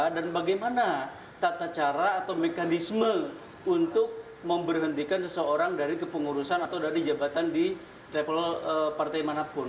dan bagaimana tata cara atau mekanisme untuk memberhentikan seseorang dari kepengurusan atau dari jabatan di partai manapun